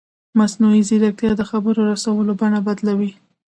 مصنوعي ځیرکتیا د خبر رسولو بڼه بدلوي.